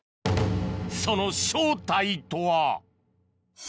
その正体とは？